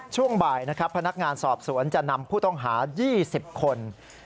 ช่วงบ่ายนะครับพนักงานสอบสวนจะนำผู้ต้องหา๒๐คน